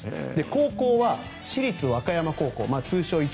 高校は市立和歌山高校